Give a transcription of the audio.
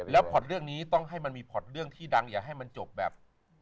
แล้วพอตเรื่องนี้ต้องให้มันมีพอร์ตเรื่องที่ดังอย่าให้มันจบแบบ